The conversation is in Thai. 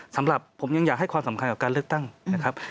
สำหรับผมยังอยากให้ความสำคัญกับการเลือกตั้งนะครับ